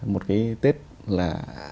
một cái tết là